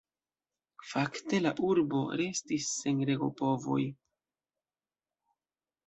Fakte la urbo restis sen regopovoj.